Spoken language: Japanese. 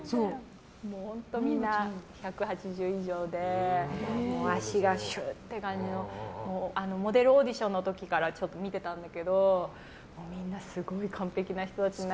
本当みんな１８０以上で足がシュって感じのモデルオーディションの時から見てたんだけどみんな、すごい完璧の人たちの中。